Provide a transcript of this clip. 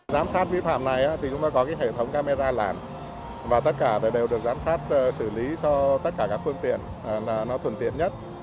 giám sát vi phạm này thì chúng ta có hệ thống camera làm và tất cả đều được giám sát xử lý cho tất cả các phương tiện là nó thuận tiện nhất